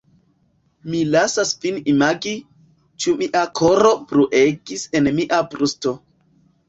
Mi lasas vin imagi, ĉu mia koro bruegis en mia brusto.